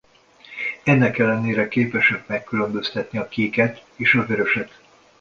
Ennek ellenére képesek megkülönböztetni a kéket és a vöröset.